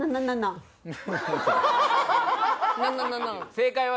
正解は。